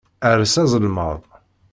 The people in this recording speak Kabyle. Err s azelmaḍ.